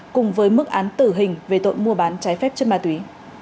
cùng với mức án tử hình về tội mua bán trái phép chất ma túy